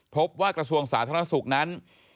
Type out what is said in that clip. กระทรวงสาธารณสุขนั้น